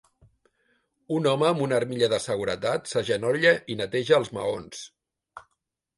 Un home amb una armilla de seguretat s'agenolla i neteja els maons.